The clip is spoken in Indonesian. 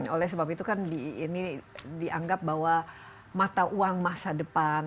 oleh sebab itu kan ini dianggap bahwa mata uang masa depan